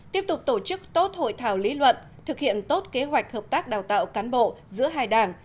tiếp tục tổ chức tốt hội thảo lý luận thực hiện tốt kế hoạch hợp tác đào tạo cán bộ giữa hai đảng